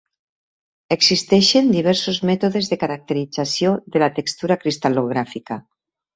Existeixen diversos mètodes de caracterització de la textura cristal·logràfica.